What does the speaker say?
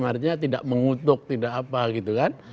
artinya tidak mengutuk tidak apa gitu kan